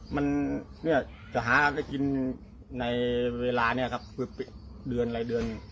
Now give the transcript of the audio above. มันเนี้ยจะหาได้กินในเวลาเนี้ยครับคือเดือนอะไรเดือน